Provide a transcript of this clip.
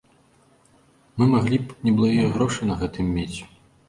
Мы маглі б неблагія грошы на гэтым мець.